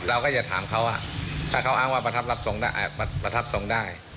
เราก็จะถามเขาถ้าเขาอ้างว่าประทับรับทรงก็อาจประทับทรงได้